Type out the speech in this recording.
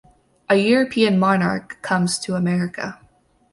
A European monarch comes to America.